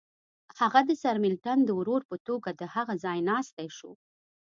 هغه د سرمیلټن د ورور په توګه د هغه ځایناستی شو.